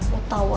gue tau aja